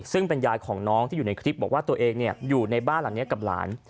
ซึ่งเป็นยายของน้องที่อยู่ในคลิปบอกว่าตัวเองอยู่ในบ้านหลังนี้กับหลาน